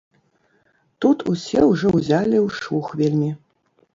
Тут усе ўжо ўзялі ў шух вельмі.